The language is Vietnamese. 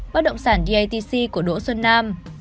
bác động sản datc của đỗ xuân nam